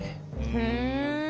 ふん。